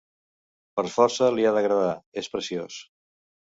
Per força li ha d'agradar: és preciós.